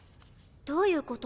どういうこと？